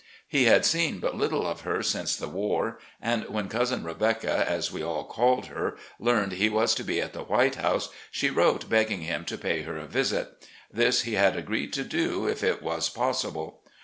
He had seen but little of her since the war, and when "Cousin Rebecca," as we all called her, learned he was to be at the "White House," she wrote begging him to pay her a visit. This he had agreed to do if it was possible.